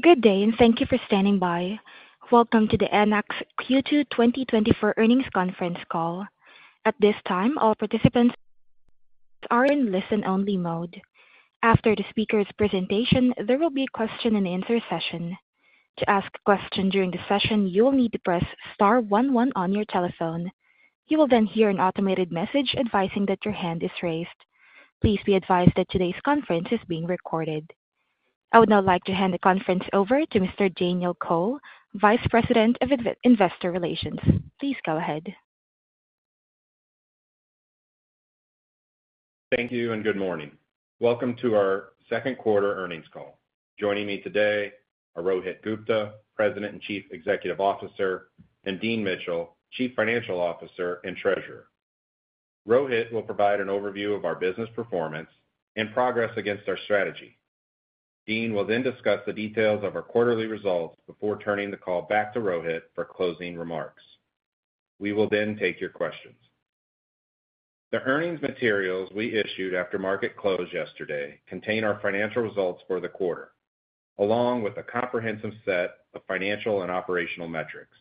Good day, and thank you for standing by. Welcome to the Enact Q2 2024 Earnings Conference Call. At this time, all participants are in listen-only mode. After the speaker's presentation, there will be a question-and-answer session. To ask a question during the session, you will need to press star one one on your telephone. You will then hear an automated message advising that your hand is raised. Please be advised that today's conference is being recorded. I would now like to hand the conference over to Mr. Daniel Cole, Vice President of Investor Relations. Please go ahead. Thank you and good morning. Welcome to our second quarter earnings call. Joining me today are Rohit Gupta, President and Chief Executive Officer, and Dean Mitchell, Chief Financial Officer and Treasurer. Rohit will provide an overview of our business performance and progress against our strategy. Dean will then discuss the details of our quarterly results before turning the call back to Rohit for closing remarks. We will then take your questions. The earnings materials we issued after market close yesterday contain our financial results for the quarter, along with a comprehensive set of financial and operational metrics.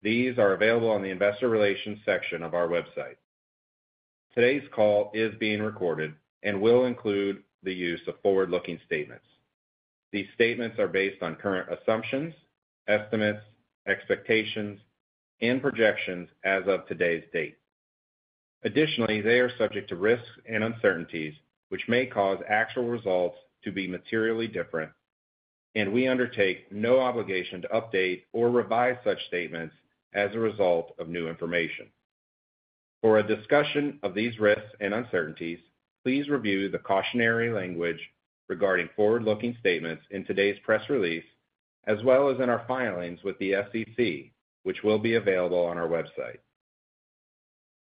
These are available on the investor relations section of our website. Today's call is being recorded and will include the use of forward-looking statements. These statements are based on current assumptions, estimates, expectations, and projections as of today's date. Additionally, they are subject to risks and uncertainties which may cause actual results to be materially different, and we undertake no obligation to update or revise such statements as a result of new information. For a discussion of these risks and uncertainties, please review the cautionary language regarding forward-looking statements in today's press release, as well as in our filings with the SEC, which will be available on our website.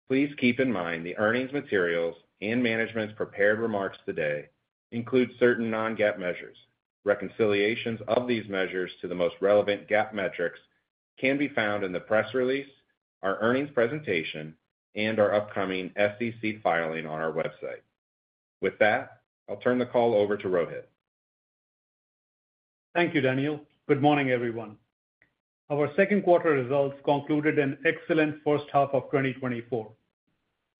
Please keep in mind the earnings materials and management's prepared remarks today include certain non-GAAP measures. Reconciliations of these measures to the most relevant GAAP metrics can be found in the press release, our earnings presentation, and our upcoming SEC filing on our website. With that, I'll turn the call over to Rohit. Thank you, Daniel. Good morning, everyone. Our second quarter results concluded an excellent first half of 2024.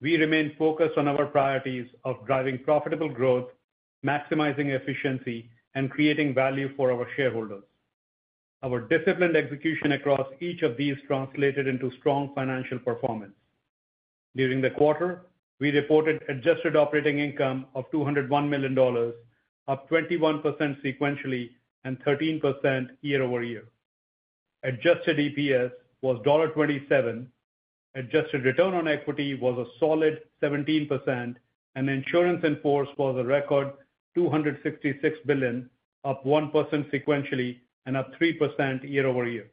We remain focused on our priorities of driving profitable growth, maximizing efficiency, and creating value for our shareholders. Our disciplined execution across each of these translated into strong financial performance. During the quarter, we reported adjusted operating income of $201 million, up 21% sequentially and 13% year-over-year. Adjusted EPS was $0.27, adjusted return on equity was a solid 17%, and insurance in force was a record $266 billion, up 1% sequentially and up 3% year-over-year.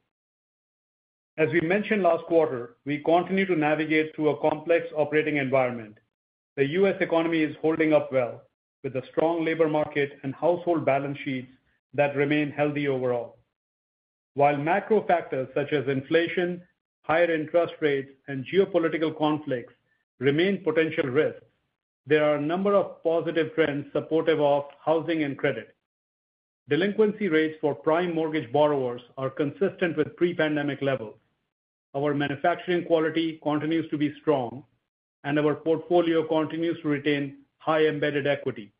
As we mentioned last quarter, we continue to navigate through a complex operating environment. The U.S. economy is holding up well, with a strong labor market and household balance sheets that remain healthy overall. While macro factors such as inflation, higher interest rates, and geopolitical conflicts remain potential risks, there are a number of positive trends supportive of housing and credit. Delinquency rates for prime mortgage borrowers are consistent with pre-pandemic levels. Our manufacturing quality continues to be strong, and our portfolio continues to retain high embedded equity.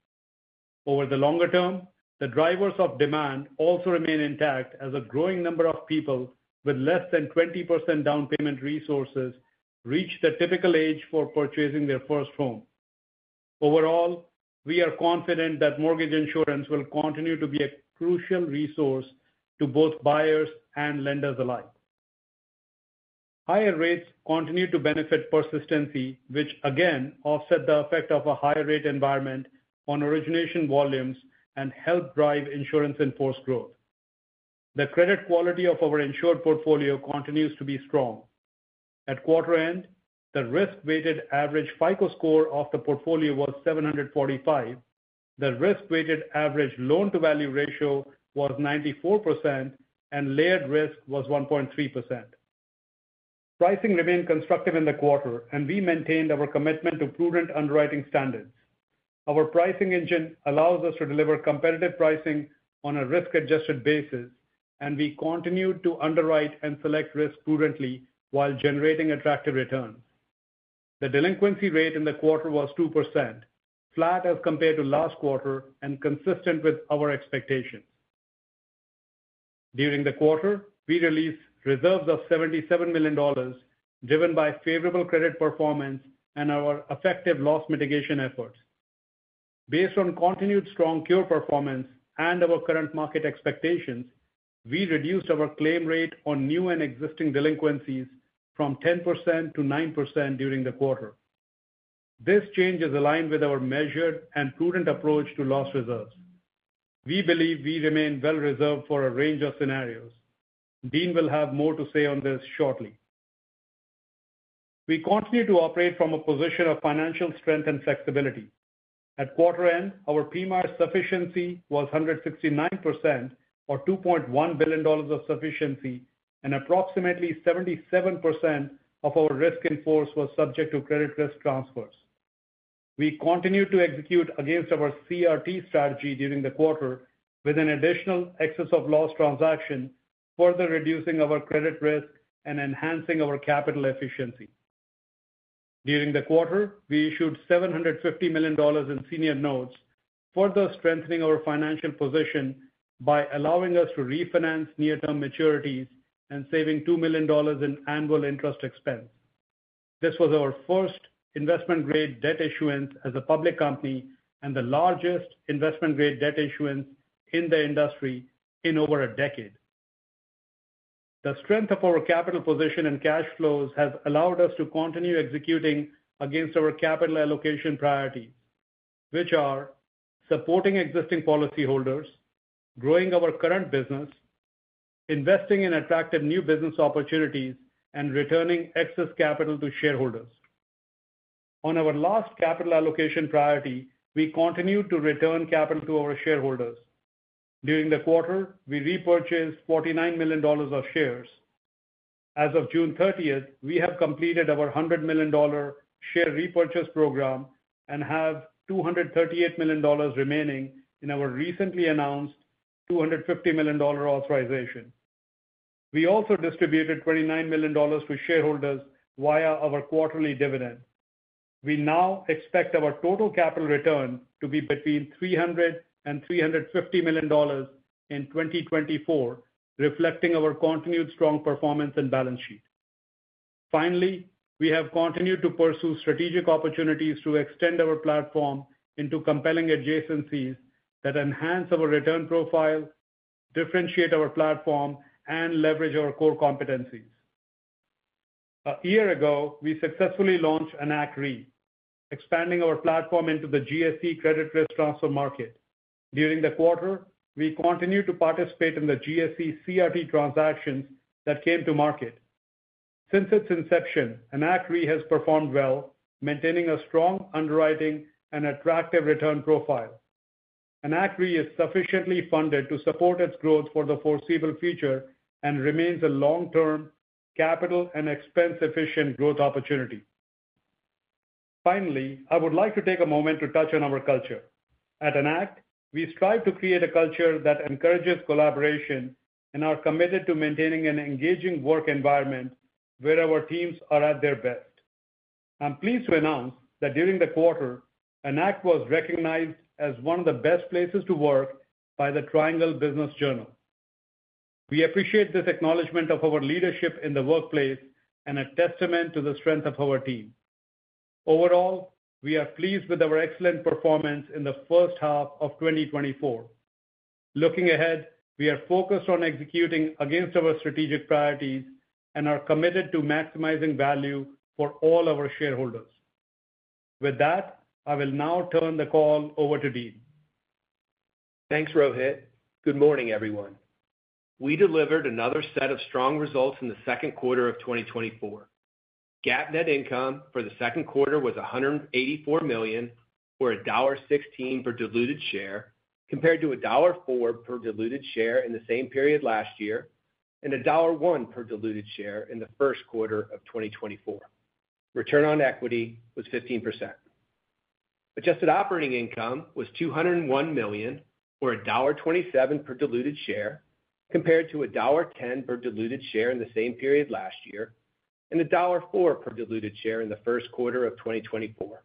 Over the longer term, the drivers of demand also remain intact as a growing number of people with less than 20% down payment resources reach the typical age for purchasing their first home. Overall, we are confident that mortgage insurance will continue to be a crucial resource to both buyers and lenders alike. Higher rates continue to benefit persistency, which again offset the effect of a higher rate environment on origination volumes and help drive insurance in force growth. The credit quality of our insured portfolio continues to be strong. At quarter end, the risk-weighted average FICO score of the portfolio was 745. The risk-weighted average loan-to-value ratio was 94%, and layered risk was 1.3%. Pricing remained constructive in the quarter, and we maintained our commitment to prudent underwriting standards. Our pricing engine allows us to deliver competitive pricing on a risk-adjusted basis, and we continued to underwrite and select risk prudently while generating attractive returns. The delinquency rate in the quarter was 2%, flat as compared to last quarter and consistent with our expectations. During the quarter, we released reserves of $77 million, driven by favorable credit performance and our effective loss mitigation efforts. Based on continued strong cure performance and our current market expectations, we reduced our claim rate on new and existing delinquencies from 10% to 9% during the quarter. This change is aligned with our measured and prudent approach to loss reserves. We believe we remain well reserved for a range of scenarios. Dean will have more to say on this shortly. We continue to operate from a position of financial strength and flexibility. At quarter end, our PMIERs sufficiency was 169% or $2.1 billion of sufficiency, and approximately 77% of our risk in force was subject to credit risk transfers. We continued to execute against our CRT strategy during the quarter, with an additional excess of loss transaction, further reducing our credit risk and enhancing our capital efficiency. During the quarter, we issued $750 million in senior notes, further strengthening our financial position by allowing us to refinance near-term maturities and saving $2 million in annual interest expense. This was our first investment-grade debt issuance as a public company and the largest investment-grade debt issuance in the industry in over a decade. The strength of our capital position and cash flows has allowed us to continue executing against our capital allocation priorities, which are supporting existing policyholders, growing our current business, investing in attractive new business opportunities, and returning excess capital to shareholders. On our last capital allocation priority, we continued to return capital to our shareholders. During the quarter, we repurchased $49 million of shares. As of June 30th, we have completed our $100 million share repurchase program and have $238 million remaining in our recently announced $250 million authorization. We also distributed $29 million to shareholders via our quarterly dividend. We now expect our total capital return to be between $300 million and $350 million in 2024, reflecting our continued strong performance and balance sheet. Finally, we have continued to pursue strategic opportunities to extend our platform into compelling adjacencies that enhance our return profile, differentiate our platform, and leverage our core competencies. A year ago, we successfully launched Enact Re, expanding our platform into the GSE credit risk transfer market. During the quarter, we continued to participate in the GSE CRT transactions that came to market. Since its inception, Enact Re has performed well, maintaining a strong underwriting and attractive return profile. Enact Re is sufficiently funded to support its growth for the foreseeable future and remains a long-term capital and expense-efficient growth opportunity. Finally, I would like to take a moment to touch on our culture. At Enact, we strive to create a culture that encourages collaboration and are committed to maintaining an engaging work environment where our teams are at their best. I'm pleased to announce that during the quarter, Enact was recognized as one of the best places to work by the Triangle Business Journal. We appreciate this acknowledgment of our leadership in the workplace and a testament to the strength of our team. Overall, we are pleased with our excellent performance in the first half of 2024. Looking ahead, we are focused on executing against our strategic priorities and are committed to maximizing value for all our shareholders. With that, I will now turn the call over to Dean. Thanks, Rohit. Good morning, everyone. We delivered another set of strong results in the second quarter of 2024. GAAP net income for the second quarter was $184 million, or $1.16 per diluted share, compared to $1.04 per diluted share in the same period last year, and $1.01 per diluted share in the first quarter of 2024. Return on equity was 15%. Adjusted operating income was $201 million, or $1.27 per diluted share, compared to $1.10 per diluted share in the same period last year, and $1.04 per diluted share in the first quarter of 2024.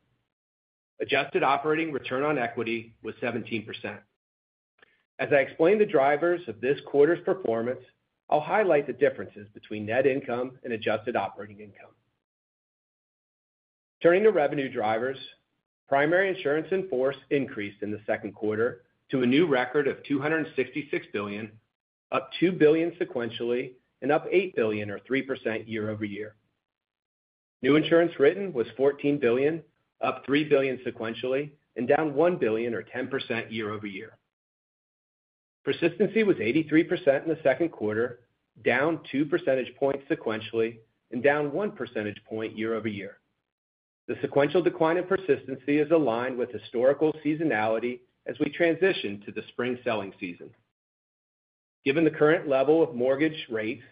Adjusted operating return on equity was 17%. As I explain the drivers of this quarter's performance, I'll highlight the differences between net income and adjusted operating income. Turning to revenue drivers, primary insurance in force increased in the second quarter to a new record of $266 billion, up $2 billion sequentially, and up $8 billion or 3% year-over-year. New insurance written was $14 billion, up $3 billion sequentially, and down $1 billion or 10% year-over-year. Persistency was 83% in the second quarter, down 2 percentage points sequentially, and down 1 percentage point year-over-year. The sequential decline in persistency is aligned with historical seasonality as we transition to the spring selling season. Given the current level of mortgage rates,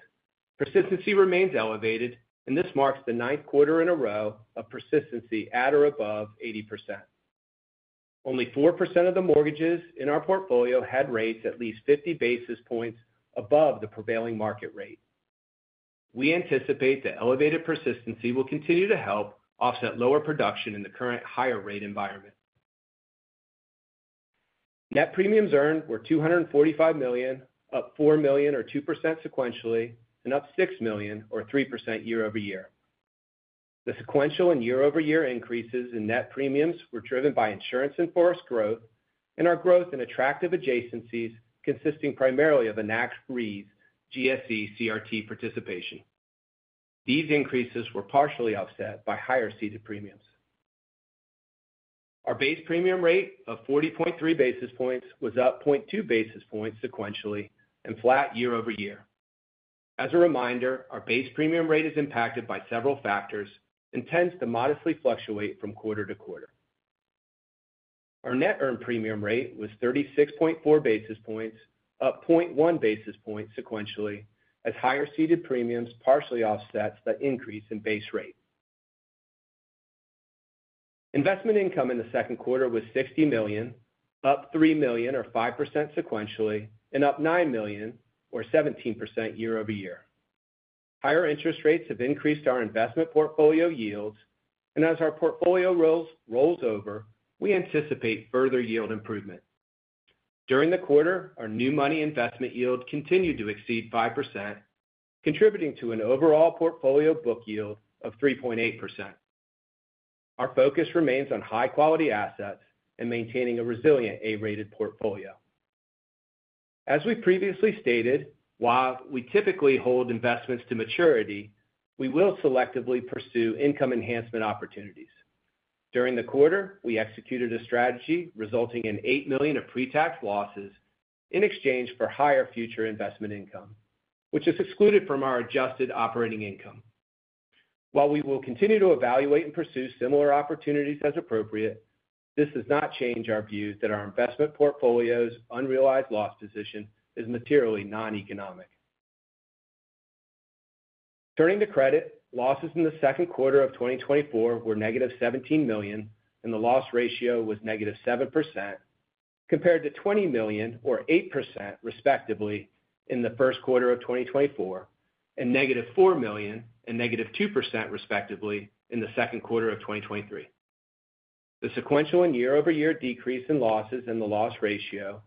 persistency remains elevated, and this marks the ninth quarter in a row of persistency at or above 80%. Only 4% of the mortgages in our portfolio had rates at least 50 basis points above the prevailing market rate. We anticipate that elevated persistency will continue to help offset lower production in the current higher rate environment. Net premiums earned were $245 million, up $4 million or 2% sequentially, and up $6 million or 3% year-over-year. The sequential and year-over-year increases in net premiums were driven by insurance in force growth, and our growth in attractive adjacencies consisting primarily of Enact Re's GSE CRT participation. These increases were partially offset by higher ceded premiums. Our base premium rate of 40.3 basis points was up 0.2 basis points sequentially and flat year-over-year. As a reminder, our base premium rate is impacted by several factors and tends to modestly fluctuate from quarter to quarter. Our net earned premium rate was 36.4 basis points, up 0.1 basis points sequentially, as higher ceded premiums partially offsets the increase in base rate. Investment income in the second quarter was $60 million, up $3 million or 5% sequentially, and up $9 million or 17% year-over-year. Higher interest rates have increased our investment portfolio yields, and as our portfolio rolls over, we anticipate further yield improvement. During the quarter, our new money investment yield continued to exceed 5%, contributing to an overall portfolio book yield of 3.8%. Our focus remains on high-quality assets and maintaining a resilient A-rated portfolio. As we previously stated, while we typically hold investments to maturity, we will selectively pursue income enhancement opportunities. During the quarter, we executed a strategy resulting in $8 million of pretax losses in exchange for higher future investment income, which is excluded from our adjusted operating income. While we will continue to evaluate and pursue similar opportunities as appropriate, this does not change our view that our investment portfolio's unrealized loss position is materially non-economic. Turning to credit, losses in the second quarter of 2024 were -$17 million, and the loss ratio was -7%, compared to $20 million or 8%, respectively, in the first quarter of 2024, and -$4 million and -2%, respectively, in the second quarter of 2023. The sequential and year-over-year decrease in losses and the loss ratio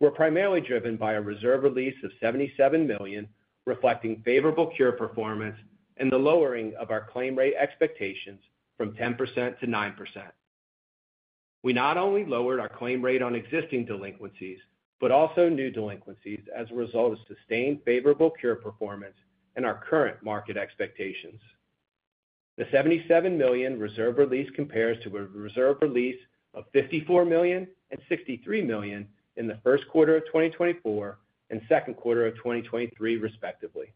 were primarily driven by a reserve release of $77 million, reflecting favorable cure performance and the lowering of our claim rate expectations from 10% to 9%. We not only lowered our claim rate on existing delinquencies, but also new delinquencies as a result of sustained favorable cure performance and our current market expectations. The $77 million reserve release compares to a reserve release of $54 million and $63 million in the first quarter of 2024 and second quarter of 2023, respectively.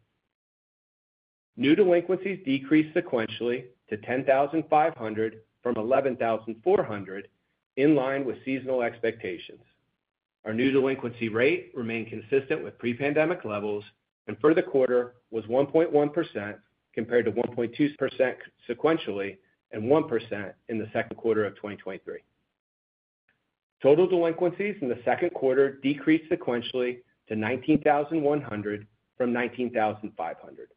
New delinquencies decreased sequentially to 10,500 from 11,400, in line with seasonal expectations. Our new delinquency rate remained consistent with pre-pandemic levels, and for the quarter, was 1.1%, compared to 1.2% sequentially and 1% in the second quarter of 2023. Total delinquencies in the second quarter decreased sequentially to 19,100 from 19,500.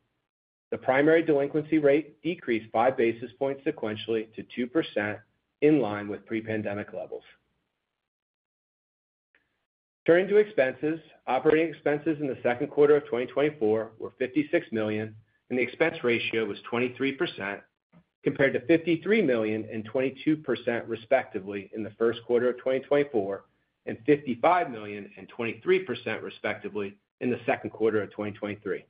The primary delinquency rate decreased 5 basis points sequentially to 2%, in line with pre-pandemic levels. Turning to expenses, operating expenses in the second quarter of 2024 were $56 million, and the expense ratio was 23%, compared to $53 million and 22%, respectively, in the first quarter of 2024, and $55 million and 23%, respectively, in the second quarter of 2023.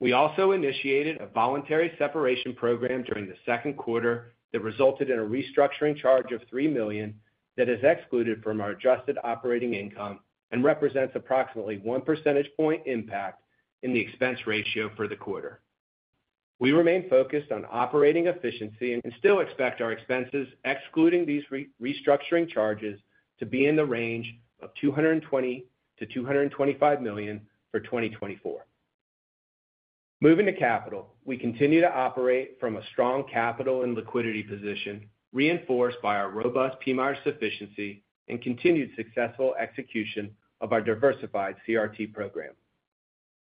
We also initiated a voluntary separation program during the second quarter that resulted in a restructuring charge of $3 million that is excluded from our adjusted operating income and represents approximately one percentage point impact in the expense ratio for the quarter. We remain focused on operating efficiency and still expect our expenses, excluding these restructuring charges, to be in the range of $220 million-$225 million for 2024. Moving to capital, we continue to operate from a strong capital and liquidity position, reinforced by our robust PMIERs sufficiency and continued successful execution of our diversified CRT program.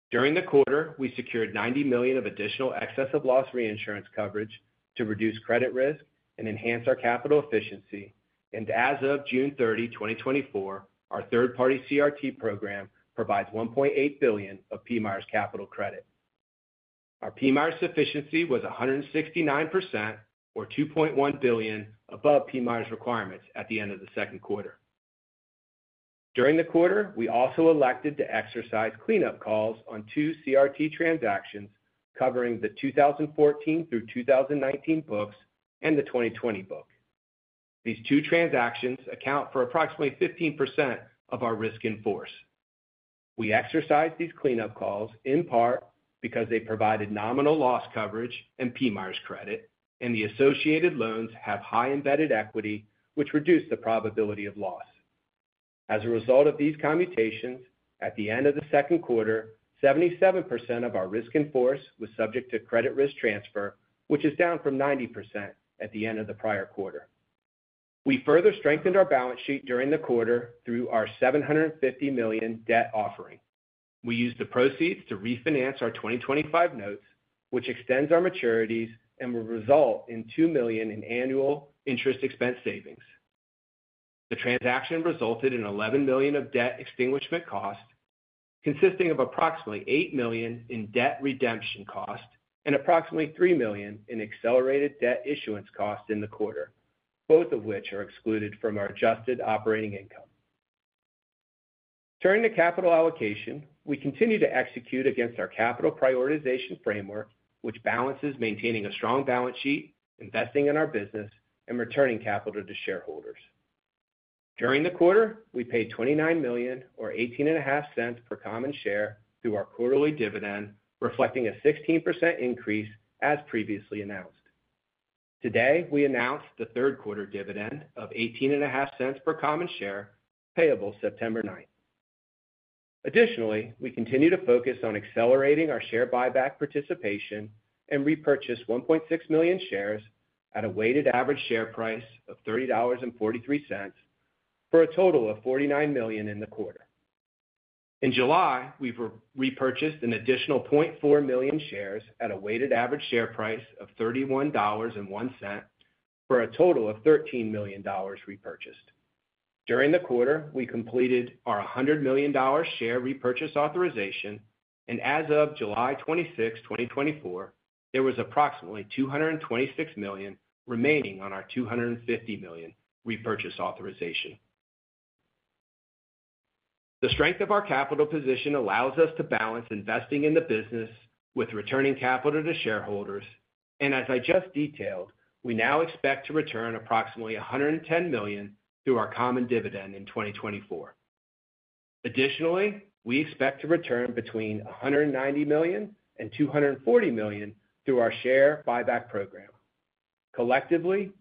During the quarter, we secured $90 million of additional excess of loss reinsurance coverage to reduce credit risk and enhance our capital efficiency. And as of June 30, 2024, our third-party CRT program provides $1.8 billion of PMIERs' capital credit. Our PMIERs sufficiency was 169%, or $2.1 billion above PMIERs' requirements at the end of the second quarter. During the quarter, we also elected to exercise cleanup calls on two CRT transactions covering the 2014 through 2019 books and the 2020 book. These two transactions account for approximately 15% of our risk in force. We exercised these cleanup calls, in part because they provided nominal loss coverage and PMIERs credit, and the associated loans have high embedded equity, which reduced the probability of loss. As a result of these commutations, at the end of the second quarter, 77% of our risk in force was subject to credit risk transfer, which is down from 90% at the end of the prior quarter. We further strengthened our balance sheet during the quarter through our $750 million debt offering. We used the proceeds to refinance our 2025 notes, which extends our maturities and will result in $2 million in annual interest expense savings. The transaction resulted in $11 million of debt extinguishment costs, consisting of approximately $8 million in debt redemption costs and approximately $3 million in accelerated debt issuance costs in the quarter, both of which are excluded from our adjusted operating income. Turning to capital allocation, we continue to execute against our capital prioritization framework, which balances maintaining a strong balance sheet, investing in our business, and returning capital to shareholders. During the quarter, we paid $29 million, or $0.185 per common share through our quarterly dividend, reflecting a 16% increase, as previously announced. Today, we announced the third quarter dividend of $0.185 per common share, payable September 9. Additionally, we continue to focus on accelerating our share buyback participation and repurchased 1.6 million shares at a weighted average share price of $30.43 for a total of $49 million in the quarter. In July, we've re-repurchased an additional 0.4 million shares at a weighted average share price of $31.01, for a total of $13 million repurchased. During the quarter, we completed our $100 million share repurchase authorization, and as of July 26, 2024, there was approximately $226 million remaining on our $250 million repurchase authorization. The strength of our capital position allows us to balance investing in the business with returning capital to shareholders, and as I just detailed, we now expect to return approximately $110 million through our common dividend in 2024. Additionally, we expect to return between $190 million and $240 million through our share buyback program. Collectively,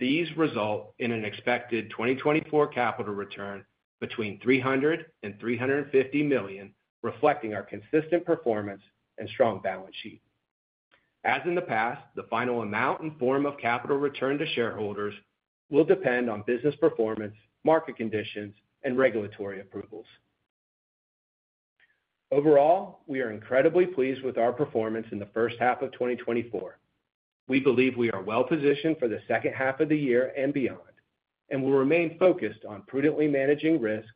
these result in an expected 2024 capital return between $300 million and $350 million, reflecting our consistent performance and strong balance sheet. As in the past, the final amount and form of capital return to shareholders will depend on business performance, market conditions, and regulatory approvals. Overall, we are incredibly pleased with our performance in the first half of 2024. We believe we are well positioned for the second half of the year and beyond, and we'll remain focused on prudently managing risk,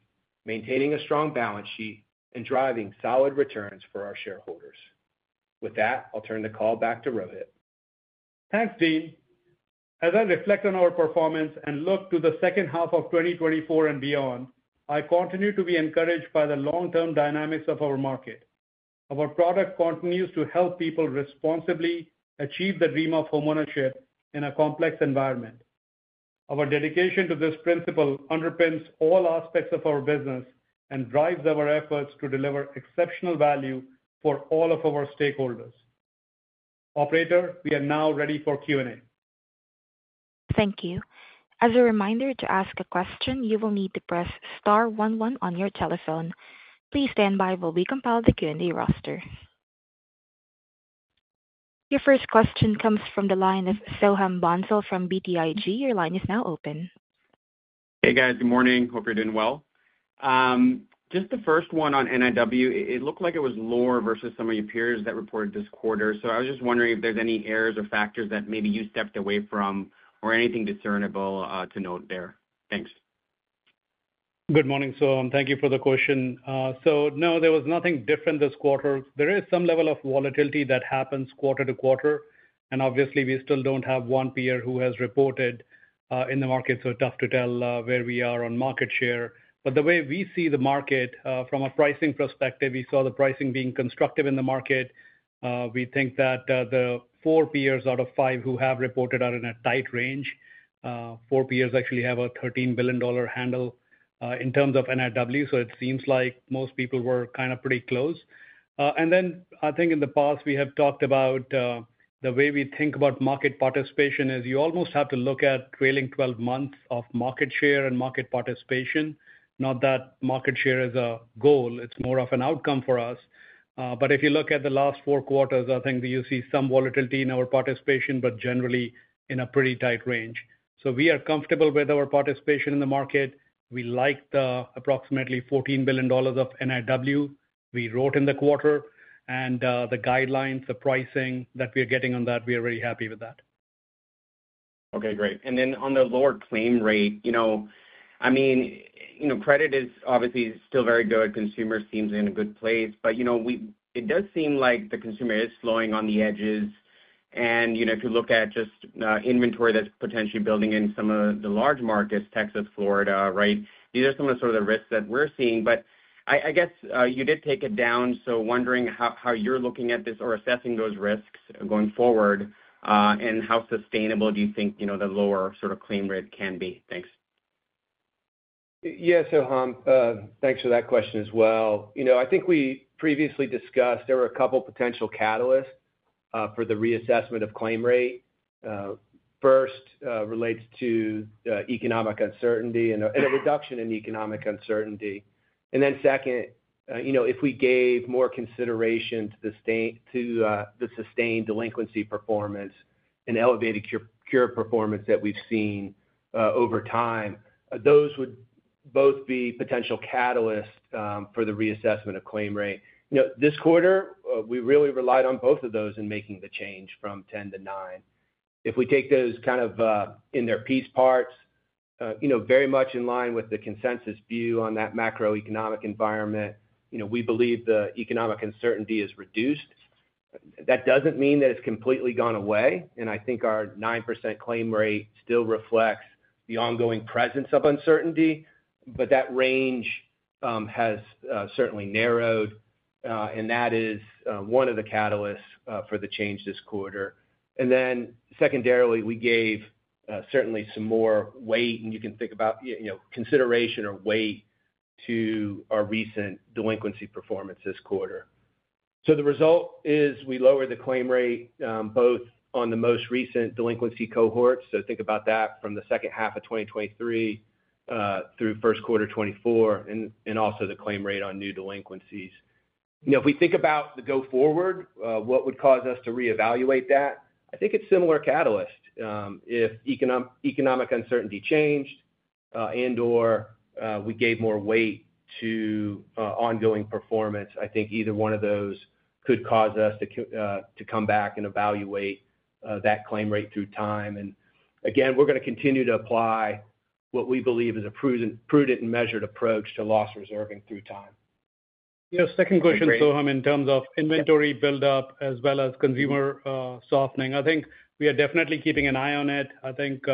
maintaining a strong balance sheet, and driving solid returns for our shareholders. With that, I'll turn the call back to Rohit. Thanks, Dean. As I reflect on our performance and look to the second half of 2024 and beyond, I continue to be encouraged by the long-term dynamics of our market. Our product continues to help people responsibly achieve the dream of homeownership in a complex environment. Our dedication to this principle underpins all aspects of our business and drives our efforts to deliver exceptional value for all of our stakeholders. Operator, we are now ready for Q&A. Thank you. As a reminder, to ask a question, you will need to press star one one on your telephone. Please stand by while we compile the Q&A roster. Your first question comes from the line of Soham Bansal from BTIG. Your line is now open. Hey, guys. Good morning. Hope you're doing well. Just the first one on NIW, it looked like it was lower versus some of your peers that reported this quarter. So I was just wondering if there's any errors or factors that maybe you stepped away from or anything discernible, to note there? Thanks. Good morning, Soham. Thank you for the question. So no, there was nothing different this quarter. There is some level of volatility that happens quarter to quarter, and obviously we still don't have one peer who has reported in the market, so tough to tell where we are on market share. But the way we see the market from a pricing perspective, we saw the pricing being constructive in the market. We think that the four peers out of five who have reported are in a tight range. Four peers actually have a $13 billion handle in terms of NIW, so it seems like most people were kind of pretty close. And then I think in the past, we have talked about the way we think about market participation is you almost have to look at trailing twelve months of market share and market participation. Not that market share is a goal, it's more of an outcome for us. But if you look at the last 4 quarters, I think that you see some volatility in our participation, but generally in a pretty tight range. So we are comfortable with our participation in the market. We like the approximately $14 billion of NIW we wrote in the quarter and the guidelines, the pricing that we are getting on that, we are very happy with that. Okay, great. And then on the lower claim rate, you know, I mean, you know, credit is obviously still very good. Consumer seems in a good place, but, you know, it does seem like the consumer is slowing on the edges. And, you know, if you look at just, inventory that's potentially building in some of the large markets, Texas, Florida, right? These are some of the sort of the risks that we're seeing. But I guess, you did take it down, so wondering how you're looking at this or assessing those risks going forward, and how sustainable do you think, you know, the lower sort of claim rate can be? Thanks. Yes, Soham, thanks for that question as well. You know, I think we previously discussed there were a couple potential catalysts for the reassessment of claim rate. First, relates to economic uncertainty and a reduction in economic uncertainty. And then second, you know, if we gave more consideration to the sustained delinquency performance and elevated cure performance that we've seen over time, those would both be potential catalysts for the reassessment of claim rate. You know, this quarter, we really relied on both of those in making the change from 10 to 9. If we take those kind of in their piece parts, you know, very much in line with the consensus view on that macroeconomic environment, you know, we believe the economic uncertainty is reduced. That doesn't mean that it's completely gone away, and I think our 9% claim rate still reflects the ongoing presence of uncertainty, but that range has certainly narrowed, and that is one of the catalysts for the change this quarter. And then secondarily, we gave certainly some more weight, and you can think about, you know, consideration or weight to our recent delinquency performance this quarter. So the result is we lowered the claim rate both on the most recent delinquency cohort. So think about that from the second half of 2023 through first quarter 2024, and also the claim rate on new delinquencies. You know, if we think about the go forward, what would cause us to reevaluate that? I think it's similar catalyst. If economic uncertainty changed, and/or we gave more weight to ongoing performance, I think either one of those could cause us to come back and evaluate that claim rate through time. And again, we're gonna continue to apply what we believe is a prudent and measured approach to loss reserving through time. Yeah, second question, Soham, in terms of inventory buildup as well as consumer softening. I think we are definitely keeping an eye on it. I think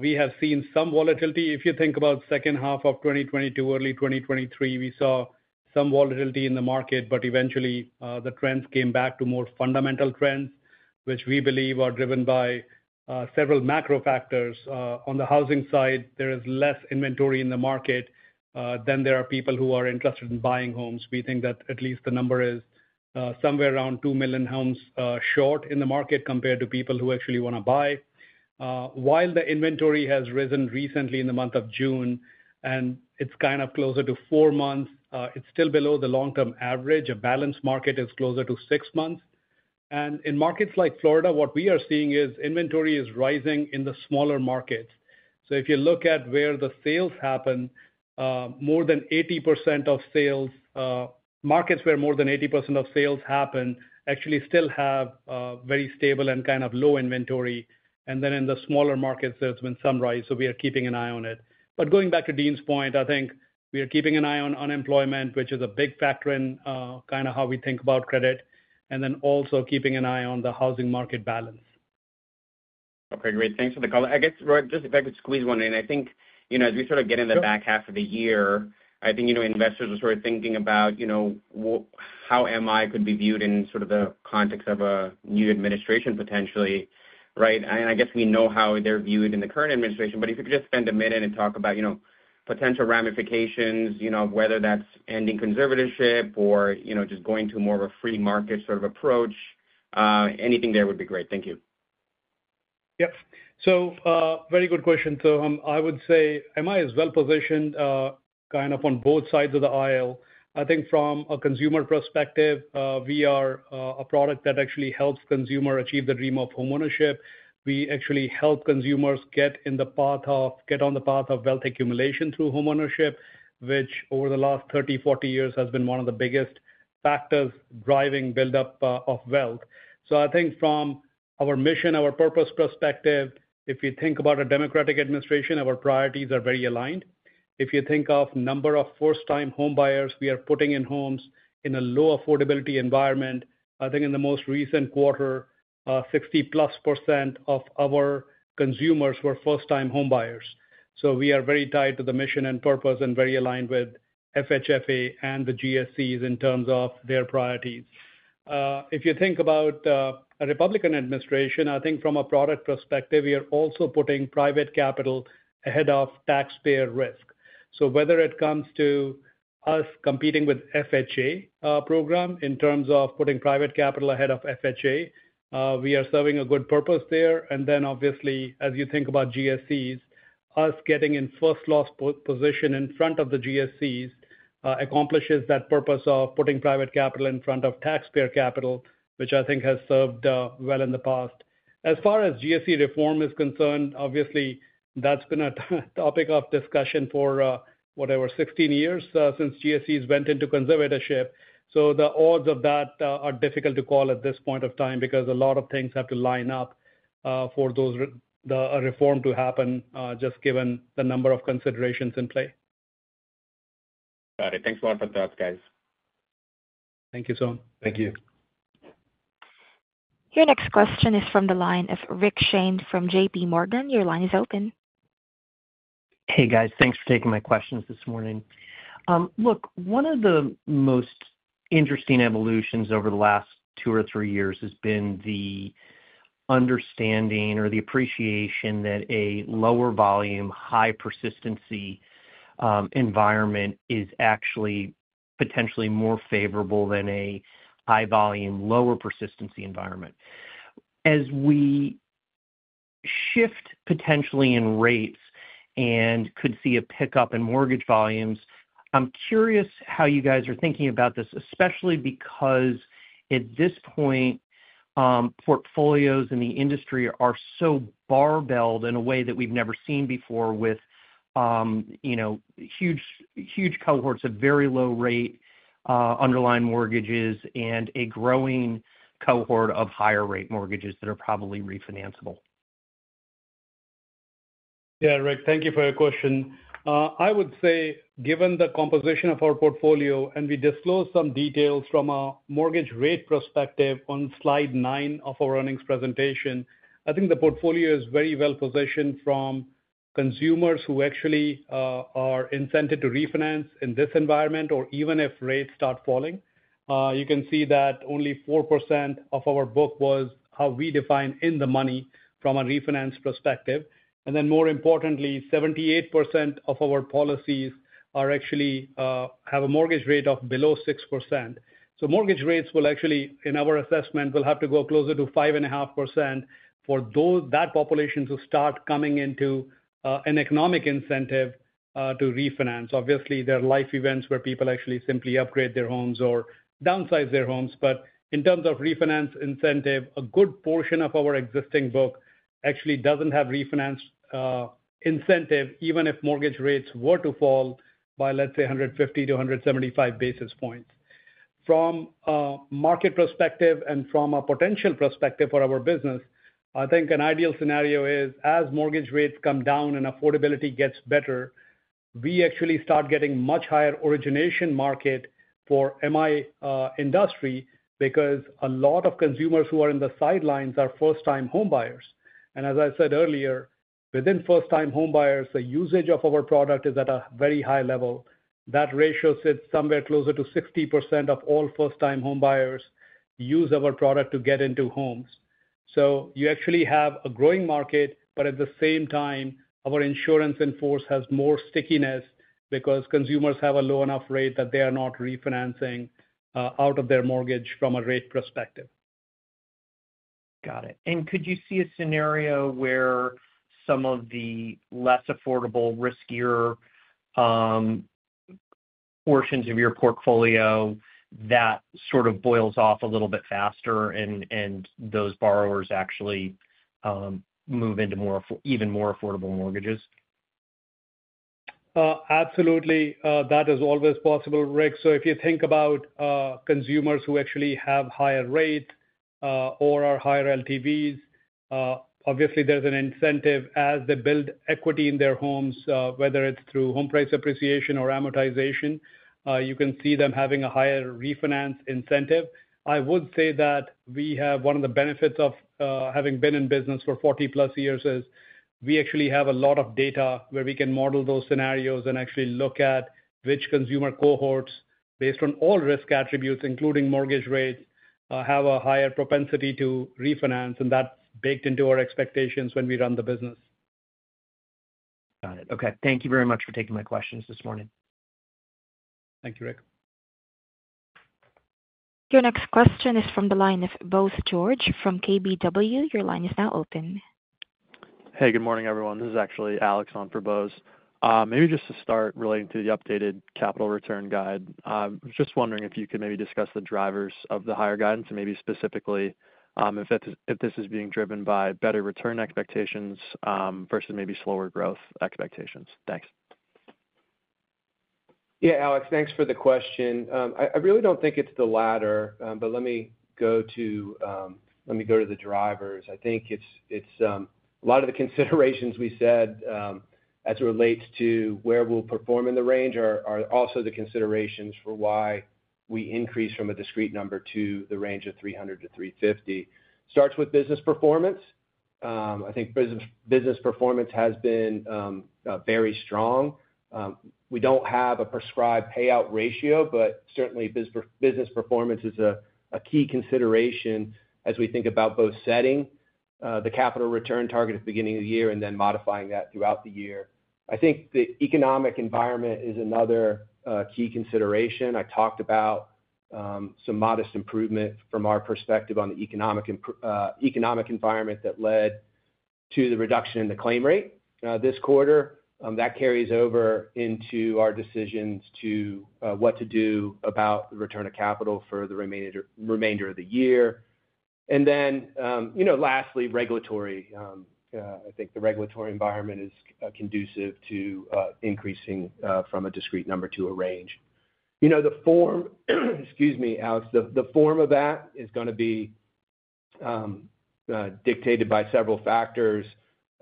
we have seen some volatility. If you think about second half of 2022, early 2023, we saw some volatility in the market, but eventually the trends came back to more fundamental trends, which we believe are driven by several macro factors. On the housing side, there is less inventory in the market than there are people who are interested in buying homes. We think that at least the number is somewhere around 2 million homes short in the market compared to people who actually wanna buy. While the inventory has risen recently in the month of June, and it's kind of closer to 4 months, it's still below the long-term average. A balanced market is closer to six months. In markets like Florida, what we are seeing is inventory is rising in the smaller markets. If you look at where the sales happen, more than 80% of sales, markets where more than 80% of sales happen, actually still have very stable and kind of low inventory. Then in the smaller markets, there's been some rise, so we are keeping an eye on it. Going back to Dean's point, I think we are keeping an eye on unemployment, which is a big factor in kind of how we think about credit, and then also keeping an eye on the housing market balance. Okay, great. Thanks for the call. I guess, Rohit, just if I could squeeze one in. I think, you know, as we sort of get in the back half of the year, I think, you know, investors are sort of thinking about, you know, how MI could be viewed in sort of the context of a new administration, potentially, right? And I guess we know how they're viewed in the current administration, but if you could just spend a minute and talk about, you know, potential ramifications, you know, whether that's ending conservatorship or, you know, just going to more of a free market sort of approach. Anything there would be great. Thank you. Yep. So, very good question, Soham. I would say MI is well positioned, kind of on both sides of the aisle. I think from a consumer perspective, we are a product that actually helps consumer achieve the dream of homeownership. We actually help consumers get in the path of- get on the path of wealth accumulation through homeownership, which over the last 30, 40 years, has been one of the biggest factors driving buildup of wealth. So I think from our mission, our purpose perspective, if you think about a Democratic administration, our priorities are very aligned. If you think of number of first-time homebuyers, we are putting in homes in a low affordability environment. I think in the most recent quarter, 60%+ of our consumers were first-time homebuyers. So we are very tied to the mission and purpose, and very aligned with FHFA and the GSEs in terms of their priorities. If you think about a Republican administration, I think from a product perspective, we are also putting private capital ahead of taxpayer risk. So whether it comes to us competing with FHA program, in terms of putting private capital ahead of FHA, we are serving a good purpose there. And then obviously, as you think about GSEs, us getting in first loss position in front of the GSEs, accomplishes that purpose of putting private capital in front of taxpayer capital, which I think has served well in the past. As far as GSE reform is concerned, obviously, that's been a topic of discussion for whatever, 16 years, since GSEs went into conservatorship. So the odds of that are difficult to call at this point of time, because a lot of things have to line up for the reform to happen, just given the number of considerations in play. Got it. Thanks a lot for the thoughts, guys. Thank you, Soham. Thank you. Your next question is from the line of Rick Shane from JPMorgan. Your line is open. Hey, guys. Thanks for taking my questions this morning. Look, one of the most interesting evolutions over the last two or three years has been the understanding or the appreciation that a lower volume, high persistency, environment is actually potentially more favorable than a high volume, lower persistency environment. As we shift potentially in rates and could see a pickup in mortgage volumes, I'm curious how you guys are thinking about this, especially because at this point, portfolios in the industry are so barbelled in a way that we've never seen before with, you know, huge, huge cohorts of very low rate, underlying mortgages and a growing cohort of higher rate mortgages that are probably refinancable. Yeah, Rick, thank you for your question. I would say, given the composition of our portfolio, and we disclose some details from a mortgage rate perspective on slide 9 of our earnings presentation, I think the portfolio is very well positioned. Consumers who actually are incented to refinance in this environment, or even if rates start falling, you can see that only 4% of our book was how we define in the money from a refinance perspective. And then more importantly, 78% of our policies are actually have a mortgage rate of below 6%. So mortgage rates will actually, in our assessment, will have to go closer to 5.5% for that population to start coming into an economic incentive to refinance. Obviously, there are life events where people actually simply upgrade their homes or downsize their homes, but in terms of refinance incentive, a good portion of our existing book actually doesn't have refinance incentive, even if mortgage rates were to fall by, let's say, 150-175 basis points. From a market perspective and from a potential perspective for our business, I think an ideal scenario is, as mortgage rates come down and affordability gets better, we actually start getting much higher origination market for MI industry, because a lot of consumers who are in the sidelines are first-time homebuyers. And as I said earlier, within first-time homebuyers, the usage of our product is at a very high level. That ratio sits somewhere closer to 60% of all first-time homebuyers use our product to get into homes. So you actually have a growing market, but at the same time, our Insurance in Force has more stickiness because consumers have a low enough rate that they are not refinancing out of their mortgage from a rate perspective. Got it. And could you see a scenario where some of the less affordable, riskier portions of your portfolio that sort of boils off a little bit faster and those borrowers actually move into even more affordable mortgages? Absolutely, that is always possible, Rick. So if you think about consumers who actually have higher rate or are higher LTVs, obviously there's an incentive as they build equity in their homes, whether it's through home price appreciation or amortization, you can see them having a higher refinance incentive. I would say that we have one of the benefits of having been in business for 40+ years, is we actually have a lot of data where we can model those scenarios and actually look at which consumer cohorts, based on all risk attributes, including mortgage rates, have a higher propensity to refinance, and that's baked into our expectations when we run the business. Got it. Okay. Thank you very much for taking my questions this morning. Thank you, Rick. Your next question is from the line of Bose George from KBW. Your line is now open. Hey, good morning, everyone. This is actually Alex on for Bose. Maybe just to start relating to the updated capital return guide, just wondering if you could maybe discuss the drivers of the higher guidance and maybe specifically, if that's, if this is being driven by better return expectations, versus maybe slower growth expectations. Thanks. Yeah, Alex, thanks for the question. I, I really don't think it's the latter, but let me go to, let me go to the drivers. I think it's, it's, a lot of the considerations we said, as it relates to where we'll perform in the range are, are also the considerations for why we increase from a discrete number to the range of 300-350. Starts with business performance. I think business, business performance has been, very strong. We don't have a prescribed payout ratio, but certainly business performance is a, a key consideration as we think about both setting, the capital return target at the beginning of the year and then modifying that throughout the year. I think the economic environment is another, key consideration. I talked about some modest improvement from our perspective on the economic environment that led to the reduction in the claim rate this quarter. That carries over into our decisions to what to do about the return of capital for the remainder of the year. And then, you know, lastly, regulatory. I think the regulatory environment is conducive to increasing from a discrete number to a range. You know, the form, excuse me, Alex, the form of that is gonna be dictated by several factors.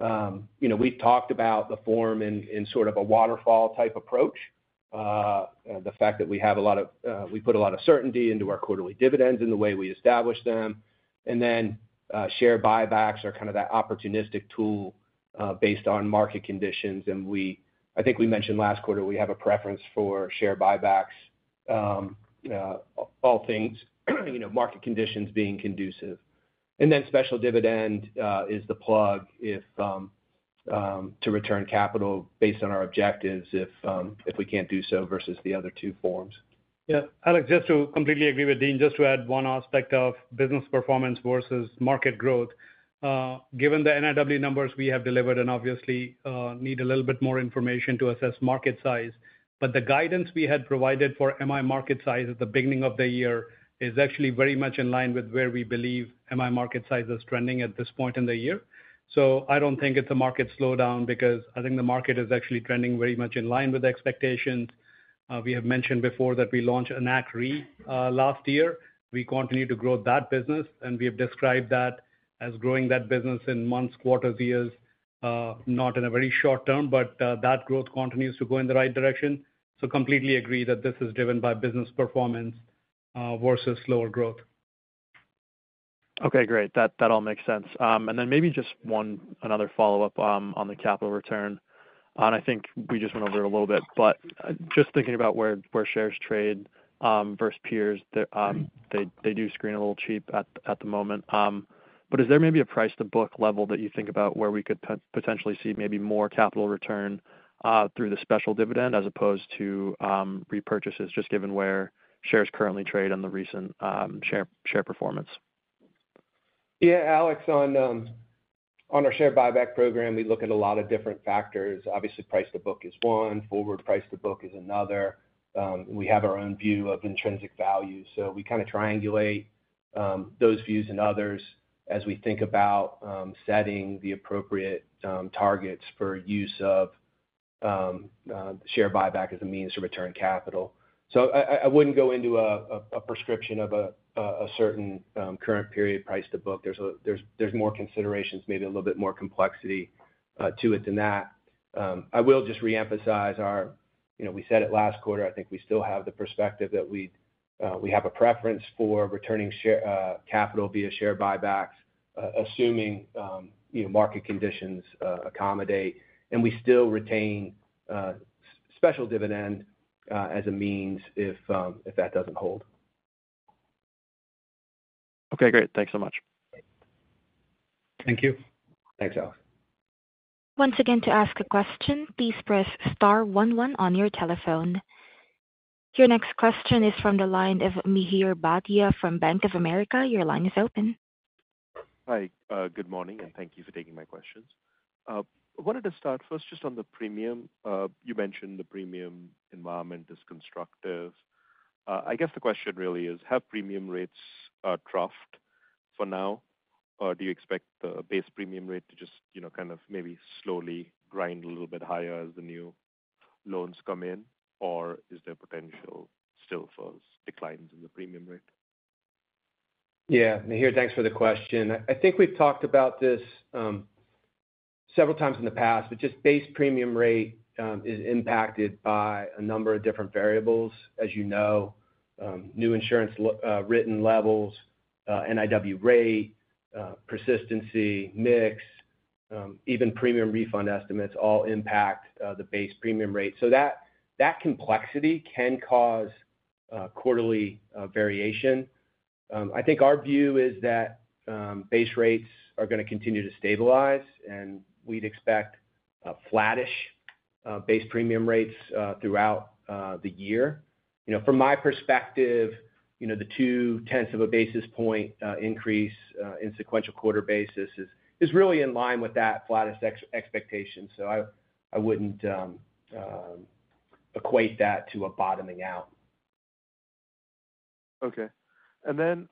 You know, we've talked about the form in sort of a waterfall type approach, the fact that we have a lot of we put a lot of certainty into our quarterly dividends and the way we establish them. And then, share buybacks are kind of that opportunistic tool, based on market conditions. And I think we mentioned last quarter, we have a preference for share buybacks, all things, you know, market conditions being conducive. And then special dividend is the plug to return capital based on our objectives, if we can't do so versus the other two forms. Yeah, Alex, just to completely agree with Dean, just to add one aspect of business performance versus market growth. Given the NIW numbers we have delivered and obviously, need a little bit more information to assess market size, but the guidance we had provided for MI market size at the beginning of the year is actually very much in line with where we believe MI market size is trending at this point in the year. So I don't think it's a market slowdown, because I think the market is actually trending very much in line with expectations. We have mentioned before that we launched Enact Re, last year. We continue to grow that business, and we have described that as growing that business in months, quarters, years, not in a very short term, but, that growth continues to go in the right direction. Completely agree that this is driven by business performance, versus slower growth.... Okay, great. That all makes sense. And then maybe just one another follow-up on the capital return. And I think we just went over it a little bit, but just thinking about where shares trade versus peers, they do screen a little cheap at the moment. But is there maybe a price to book level that you think about where we could potentially see maybe more capital return through the special dividend as opposed to repurchases, just given where shares currently trade on the recent share performance? Yeah, Alex, on our share buyback program, we look at a lot of different factors. Obviously, price to book is one, forward price to book is another. We have our own view of intrinsic value, so we kinda triangulate those views and others as we think about setting the appropriate share buyback as a means to return capital. So I wouldn't go into a prescription of a certain current period price to book. There's more considerations, maybe a little bit more complexity to it than that. I will just reemphasize our... You know, we said it last quarter, I think we still have the perspective that we, we have a preference for returning share capital via share buybacks, assuming, you know, market conditions accommodate, and we still retain, special dividend, as a means if, if that doesn't hold. Okay, great. Thanks so much. Thank you. Thanks, Alex. Once again, to ask a question, please press star one one on your telephone. Your next question is from the line of Mihir Bhatia from Bank of America. Your line is open. Hi, good morning, and thank you for taking my questions. I wanted to start first just on the premium. You mentioned the premium environment is constructive. I guess the question really is, have premium rates dropped for now? Or do you expect the base premium rate to just, you know, kind of maybe slowly grind a little bit higher as the new loans come in? Or is there potential still for declines in the premium rate? Yeah. Mihir, thanks for the question. I, I think we've talked about this, several times in the past, but just base premium rate is impacted by a number of different variables, as you know. New insurance written levels, NIW rate, persistency, mix, even premium refund estimates all impact the base premium rate. So that, that complexity can cause quarterly variation. I think our view is that base rates are gonna continue to stabilize, and we'd expect a flattish base premium rates throughout the year. You know, from my perspective, you know, the 0.2 basis point increase in sequential quarter basis is really in line with that flattest expectation. So I, I wouldn't equate that to a bottoming out. Okay. And then,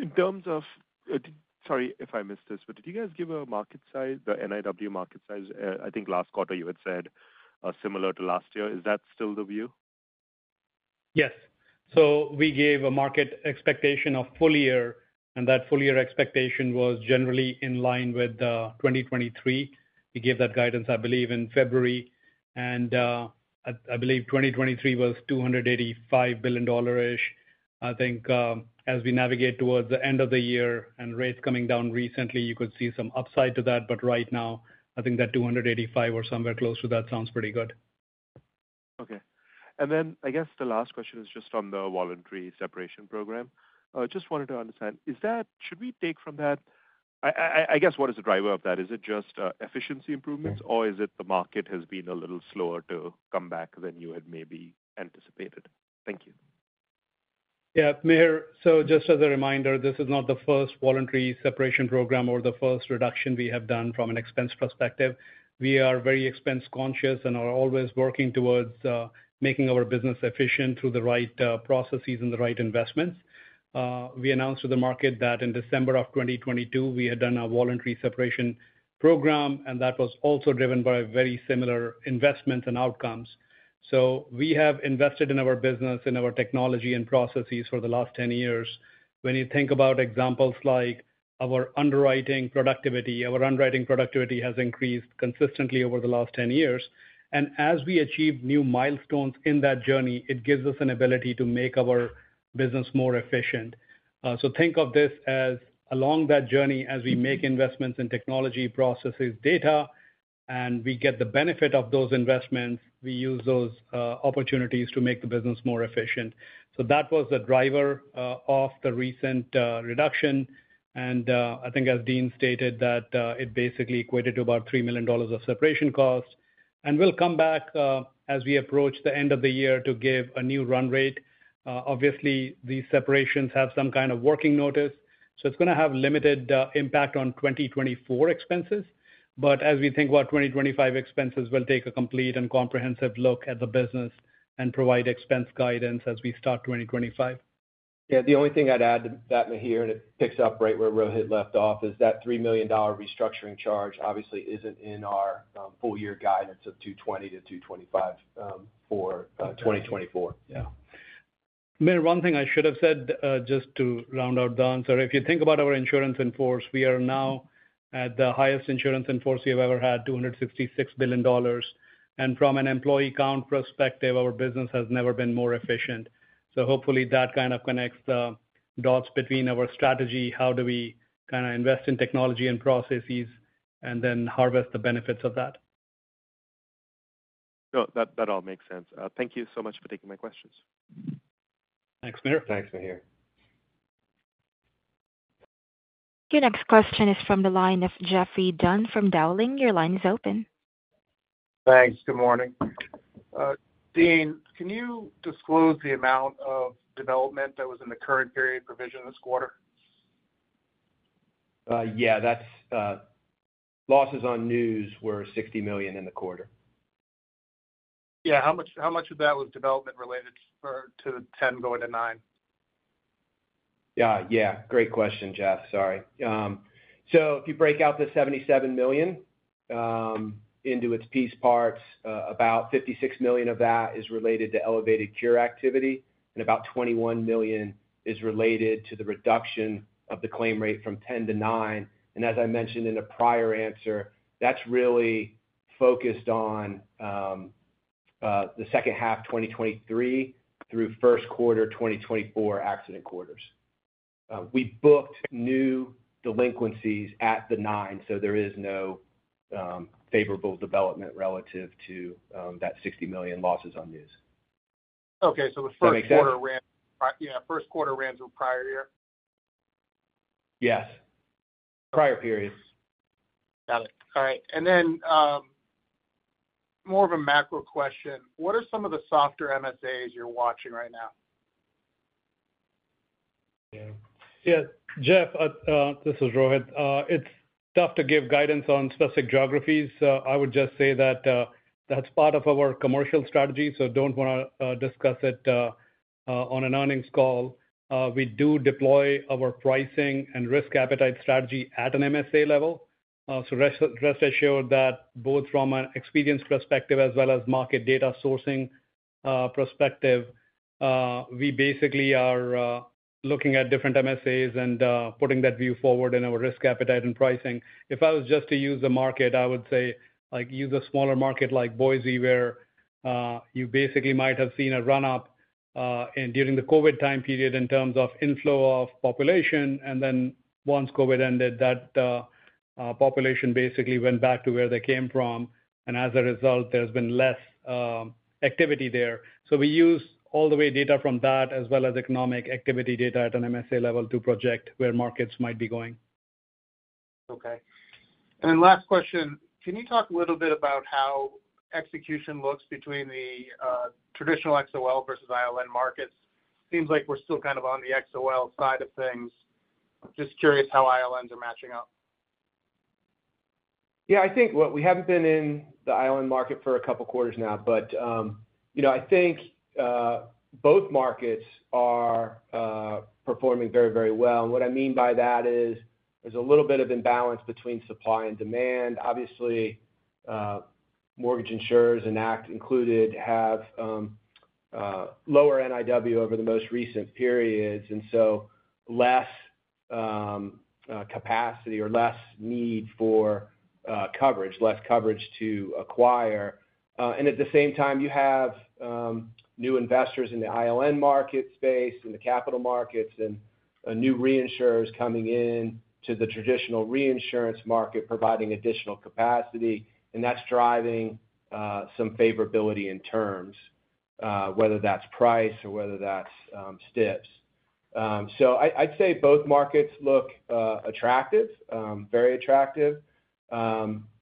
in terms of... sorry if I missed this, but did you guys give a market size, the NIW market size? I think last quarter you had said, similar to last year. Is that still the view? Yes. So we gave a market expectation of full year, and that full year expectation was generally in line with 2023. We gave that guidance, I believe, in February, and I believe 2023 was $285 billion-ish. I think, as we navigate towards the end of the year and rates coming down recently, you could see some upside to that, but right now, I think that 285 or somewhere close to that sounds pretty good. Okay. And then I guess the last question is just on the voluntary separation program. I just wanted to understand, is that—should we take from that... I guess, what is the driver of that? Is it just, efficiency improvements, or is it the market has been a little slower to come back than you had maybe anticipated? Thank you. Yeah, Mihir, so just as a reminder, this is not the first voluntary separation program or the first reduction we have done from an expense perspective. We are very expense conscious and are always working towards, making our business efficient through the right, processes and the right investments. We announced to the market that in December of 2022, we had done a voluntary separation program, and that was also driven by very similar investments and outcomes. So we have invested in our business, in our technology and processes for the last 10 years. When you think about examples like our underwriting productivity, our underwriting productivity has increased consistently over the last 10 years. And as we achieve new milestones in that journey, it gives us an ability to make our business more efficient. So think of this as, along that journey, as we make investments in technology, processes, data, and we get the benefit of those investments, we use those opportunities to make the business more efficient. So that was the driver of the recent reduction. And I think as Dean stated, that it basically equated to about $3 million of separation costs. And we'll come back as we approach the end of the year to give a new run rate. Obviously, these separations have some kind of working notice, so it's gonna have limited impact on 2024 expenses. But as we think about 2025 expenses, we'll take a complete and comprehensive look at the business and provide expense guidance as we start 2025. Yeah, the only thing I'd add to that, Mihir, and it picks up right where Rohit left off, is that $3 million restructuring charge obviously isn't in our full year guidance of $220 million-$225 million for 2024. Yeah. Mihir, one thing I should have said, just to round out the answer, if you think about our insurance in force, we are now at the highest insurance in force we've ever had, $266 billion. And from an employee count perspective, our business has never been more efficient. So hopefully that kind of connects the dots between our strategy, how do we kinda invest in technology and processes... and then harvest the benefits of that. No, that, that all makes sense. Thank you so much for taking my questions. Thanks, Mihir. Thanks, Mihir. Your next question is from the line of Geoffrey Dunn from Dowling & Partners. Your line is open. Thanks. Good morning. Dean, can you disclose the amount of development that was in the current period provision this quarter? Yeah, that's losses on NIWs were $60 million in the quarter. Yeah. How much, how much of that was development related for to 10 going to 9? Yeah, great question, Jeff. Sorry. So if you break out the $77 million into its piece parts, about $56 million of that is related to elevated cure activity, and about $21 million is related to the reduction of the claim rate from 10 to 9. And as I mentioned in a prior answer, that's really focused on the second half, 2023 through first quarter 2024 accident quarters. We booked new delinquencies at the 9, so there is no favorable development relative to that $60 million losses on this. Okay, so the first- Does that make sense? Quarter ran. Yeah, first quarter ran to a prior year. Yes. Prior periods. Got it. All right. And then, more of a macro question: What are some of the softer MSAs you're watching right now? Yeah. Yeah, Jeff, this is Rohit. It's tough to give guidance on specific geographies. I would just say that that's part of our commercial strategy, so don't want to discuss it on an earnings call. We do deploy our pricing and risk appetite strategy at an MSA level. So rest assured that both from an experience perspective as well as market data sourcing perspective, we basically are looking at different MSAs and putting that view forward in our risk appetite and pricing. If I was just to use the market, I would say, like, use a smaller market like Boise, where you basically might have seen a run-up and during the COVID time period in terms of inflow of population, and then once COVID ended, that population basically went back to where they came from. And as a result, there's been less activity there. So we use all the way data from that, as well as economic activity data at an MSA level to project where markets might be going. Okay. Last question, can you talk a little bit about how execution looks between the traditional XOL versus ILN markets? Seems like we're still kind of on the XOL side of things. Just curious how ILNs are matching up. Yeah, I think, well, we haven't been in the ILN market for a couple of quarters now, but, you know, I think, both markets are, performing very, very well. And what I mean by that is, there's a little bit of imbalance between supply and demand. Obviously, mortgage insurers, and Enact included, have, lower NIW over the most recent periods, and so less, capacity or less need for, coverage, less coverage to acquire. And at the same time, you have, new investors in the ILN market space and the capital markets, and, new reinsurers coming in to the traditional reinsurance market, providing additional capacity, and that's driving, some favorability in terms, whether that's price or whether that's, stips. So I, I'd say both markets look, attractive, very attractive.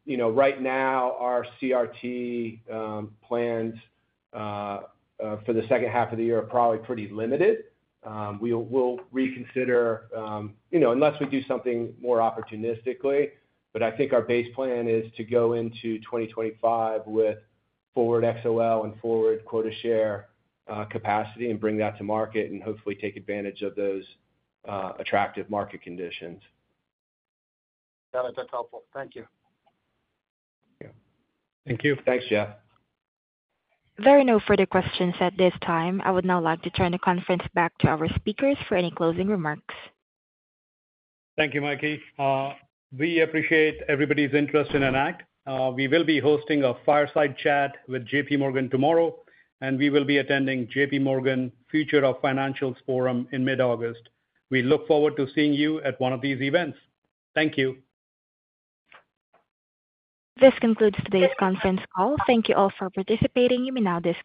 You know, right now, our CRT plans for the second half of the year are probably pretty limited. We will reconsider, you know, unless we do something more opportunistically, but I think our base plan is to go into 2025 with forward XOL and forward quota share capacity and bring that to market and hopefully take advantage of those attractive market conditions. Got it. That's helpful. Thank you. Yeah. Thank you. Thanks, Jeff. There are no further questions at this time. I would now like to turn the conference back to our speakers for any closing remarks. Thank you, Mikey. We appreciate everybody's interest in Enact. We will be hosting a fireside chat with JPMorgan tomorrow, and we will be attending JPMorgan Future of Financials Forum in mid-August. We look forward to seeing you at one of these events. Thank you. This concludes today's conference call. Thank you all for participating. You may now disconnect.